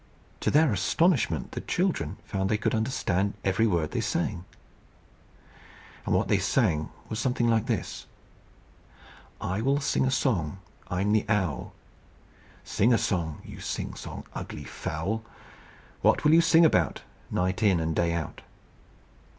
To their astonishment, the children found they could understand every word they sang. And what they sang was something like this: "I will sing a song. I'm the Owl." "Sing a song, you Sing song Ugly fowl! What will you sing about, Night in and Day out?"